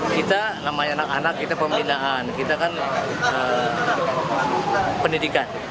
kita namanya anak anak kita pembinaan kita kan pendidikan